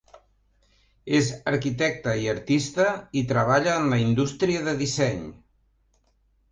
És arquitecte i artista i treballa en la indústria de disseny.